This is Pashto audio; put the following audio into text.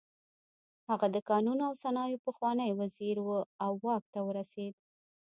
هغه د کانونو او صنایعو پخوانی وزیر و او واک ته ورسېد.